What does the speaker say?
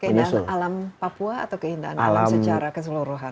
keindahan alam papua atau keindahan alam secara keseluruhan